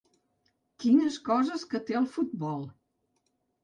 Quines coses que té el futbol!